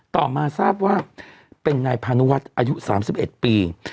ต่อมาทราบว่าเป็นนายพานุวัฒน์อายุ๓๑ปี